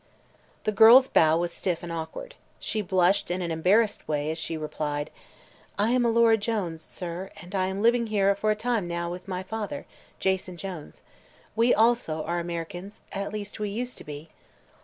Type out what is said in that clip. The girl's bow was stiff and awkward. She blushed in an embarrassed way as she replied: "I am Alora Jones, sir, and am living here for a time with my father, Jason Jones. We, also, are Americans; at least, we used to be."